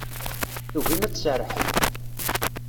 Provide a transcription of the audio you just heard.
Tugim ad tserrḥem.